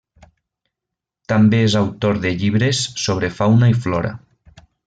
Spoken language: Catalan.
També és autor de llibres sobre fauna i flora.